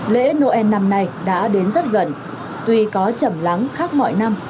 lễ noel năm nay đã đến rất gần tuy có chầm lắng khác mọi năm